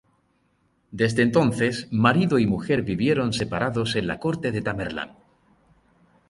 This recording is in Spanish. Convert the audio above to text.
Desde entonces, marido y mujer vivieron separados en la corte de Tamerlán.